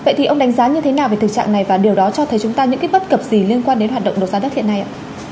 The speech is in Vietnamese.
vậy thì ông đánh giá như thế nào về thực trạng này và điều đó cho thấy chúng ta những cái bất cập gì liên quan đến hoạt động đấu giá đất hiện nay ạ